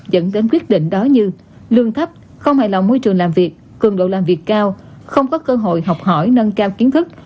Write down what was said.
dẫn đến quyết định đó như lương thấp không hài lòng môi trường làm việc cường độ làm việc cao không có cơ hội học hỏi nâng cao kiến thức